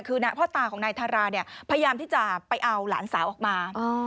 คือพ่อตาของนายทาราเนี่ยพยายามที่จะไปเอาหลานสาวออกมา